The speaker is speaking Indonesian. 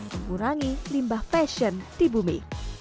mengurangi limbah fashion di bumi